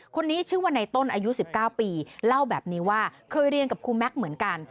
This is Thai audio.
คนนี้ชื่อว่าในต้นอายุ๑๙ปีเล่าแบบนี้ว่าเคยเรียนกับครูแม็กซ์เหมือนกัน